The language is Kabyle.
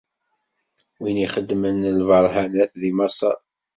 Win i ixxedmen lbeṛhanat di Maṣer.